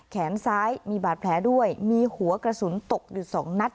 แขนซ้ายมีบาดแผลด้วยมีหัวกระสุนตกอยู่สองนัด